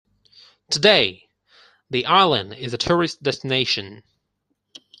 Today, the island is a tourist destination.